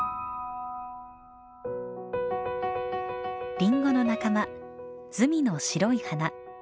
リンゴの仲間ズミの白い花。